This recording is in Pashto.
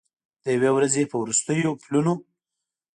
د یوې ورځې په وروستیو پلونو